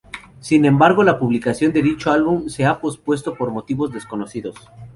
Sin embargo la publicación de dicho álbum se ha pospuesto por motivos desconocidos.